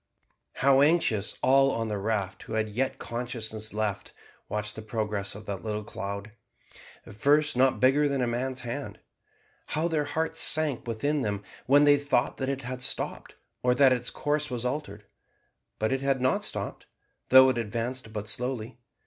How anxiously all on the raft, who had yet consciousness left, watched the progress of that little cloud, at first not bigger than a man's hand. How their hearts sank within them when they thought that it had stopped, or that its course was altered; but it had not stopped, though it advanced but slowly.